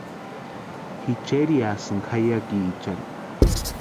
Ji cherhiasïnka jayakichani.